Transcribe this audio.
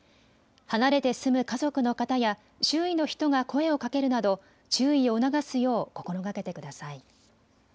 離れて住む家族の方や周囲の人が声をかけるなど注意を促すよう心がけてください。